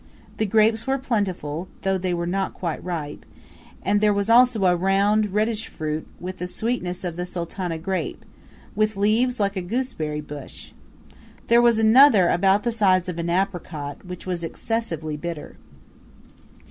The grapes were plentiful, though they were not quite ripe; and there was also a round, reddish fruit with the sweetness of the Sultana grape, with leaves like a gooseberry bush. There was another about the size of an apricot, which was excessively bitter.